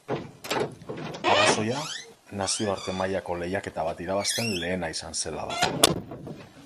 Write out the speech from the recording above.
Arrazoia, nazioarte mailako lehiaketa bat irabazten lehena izan zela da.